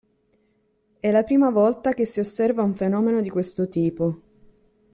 È la prima volta che si osserva un fenomeno di questo tipo.